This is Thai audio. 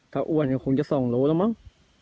ถ้าอ้วนก็คงจะ๒โลแล้วมั้ง